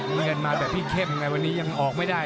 เงินมาแบบที่เข้มไงวันนี้ยังออกไม่ได้